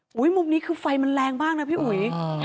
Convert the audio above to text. มุมนี้คือไฟมันแรงมากนะพี่อุ๋ย